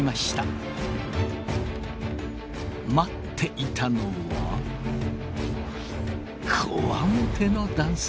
待っていたのはこわもての男性。